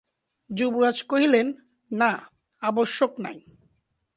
যুবরাজ কহিলেন, না, আবশ্যক নাই।